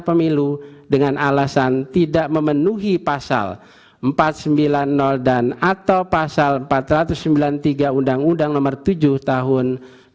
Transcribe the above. pemilu dengan alasan tidak memenuhi pasal empat ratus sembilan puluh dan atau pasal empat ratus sembilan puluh tiga undang undang nomor tujuh tahun dua ribu sembilan